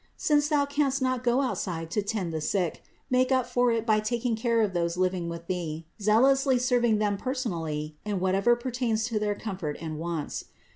Since thou canst not go outside to tend the sick, make up for it by taking care of those living with thee, zealously serving them per sonally in whatever pertains to their comfort and wants.